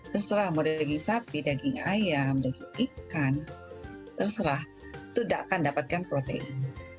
terserah mau daging sapi daging ayam daging ikan terserah itu tidak akan dapatkan protein